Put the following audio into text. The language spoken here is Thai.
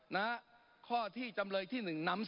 ปรับไปเท่าไหร่ทราบไหมครับ